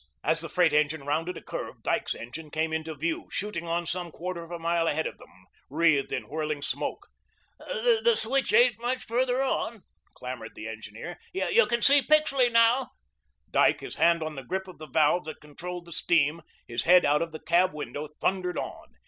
As the freight engine rounded a curve, Dyke's engine came into view, shooting on some quarter of a mile ahead of them, wreathed in whirling smoke. "The switch ain't much further on," clamoured the engineer. "You can see Pixley now." Dyke, his hand on the grip of the valve that controlled the steam, his head out of the cab window, thundered on.